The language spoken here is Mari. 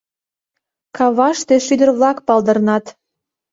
Каваште шӱдыр-влак палдырнат.